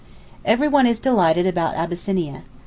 Everyone is delighted about Abyssinia.